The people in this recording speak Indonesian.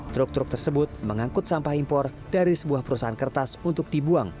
truk truk tersebut mengangkut sampah impor dari sebuah perusahaan kertas untuk dibuang